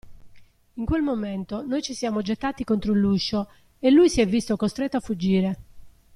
In quel momento noi ci siamo gettati contro l'uscio e lui si è visto costretto a fuggire.